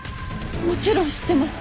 もちろん知ってます。